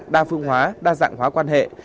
đa phương hóa đa dạng hóa quan hệ